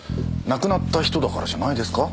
亡くなった人だからじゃないですか？